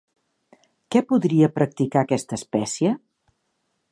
Què podria practicar aquesta espècie?